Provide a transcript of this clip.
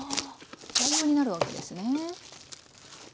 代用になるわけですね。